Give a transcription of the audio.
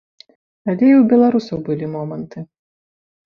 Але і ў беларусаў былі моманты.